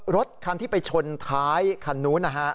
รถคันที่ไปชนท้ายคันนู้นนะฮะ